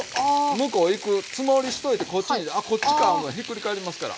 向こう行くつもりしといてこっちにあこっちかひっくり返りますから。